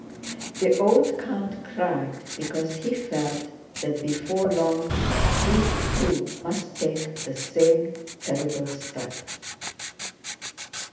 The old count cried because he felt that before long, he, too, must take the same terrible step.